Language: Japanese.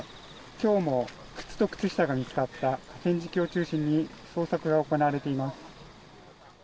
今日も靴と靴下が見つかった河川敷を中心に捜索が行われています。